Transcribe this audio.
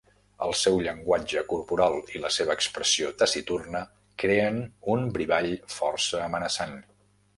El seu llenguatge corporal i la seva expressió taciturna creen un brivall força amenaçant.